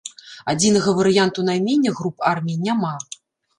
Адзінага варыянту наймення груп армій няма.